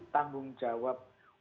tanjung jawab untuk mengembangkan